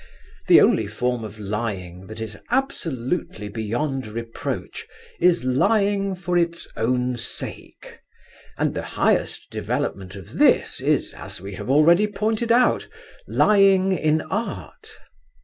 The only form of lying that is absolutely beyond reproach is lying for its own sake, and the highest development of this is, as we have already pointed out, Lying in Art.